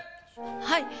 はい。